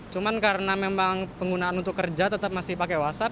cuma karena memang penggunaan untuk kerja tetap masih pakai whatsapp